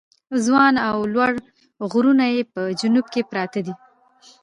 ځوان او لوړ غرونه یې په جنوب کې پراته دي.